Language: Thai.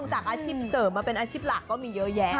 จากอาชีพเสริมมาเป็นอาชีพหลักก็มีเยอะแยะ